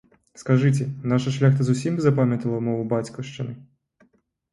Скажыце, наша шляхта зусім запамятала мову бацькаўшчыны?